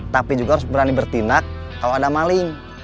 tapi juga harus berani bertindak kalau ada maling